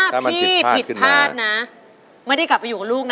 ถ้าพี่ผิดพลาดนะไม่ได้กลับไปอยู่กับลูกนะ